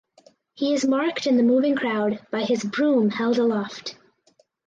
He is marked in the moving crowd by his broom held aloft.